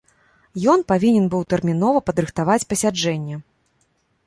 Ён павінен быў тэрмінова падрыхтаваць пасяджэнне.